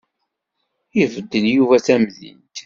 Ibeddel Yuba tamdint.